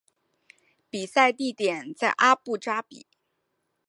比赛地点在阿布扎比。